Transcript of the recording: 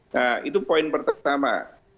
nah itu poin pertama